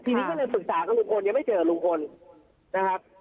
ทีนี้ก็เลยปรึกษากับลุงพลยังไม่เจอลุงพลนะครับ